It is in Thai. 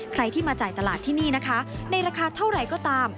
ใครที่มาจ่ายตลาดที่นี่นะคะในราคาเท่าไหร่ก็ตาม